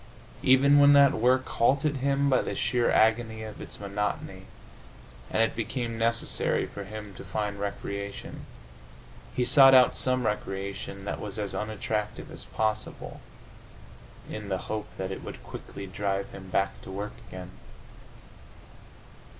Even when that work halted him by the sheer agony of its monotony, and it became necessary for him to find recreation, he sought out some recreation that was as unattractive as possible, in the hope that it would quickly drive him back to work again.